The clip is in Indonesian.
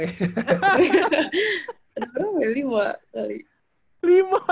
ada orang yang lima kali